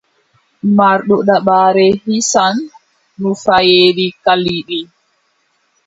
Marɗo dabare hisan nufayeeji kalliɗi.